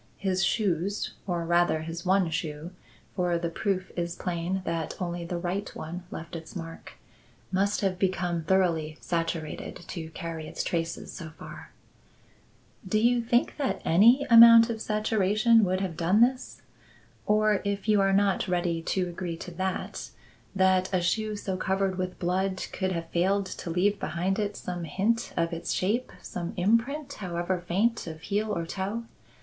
His shoes or rather his one shoe for the proof is plain that only the right one left its mark must have become thoroughly saturated to carry its traces so far." "Do you think that any amount of saturation would have done this? Or, if you are not ready to agree to that, that a shoe so covered with blood could have failed to leave behind it some hint of its shape, some imprint, however faint, of heel or toe?